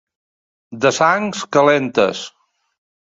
De sangs calentes.